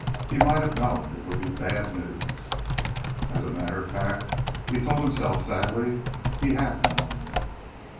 He might have known it would be bad news. As a matter of fact, he told himself sadly, he had known.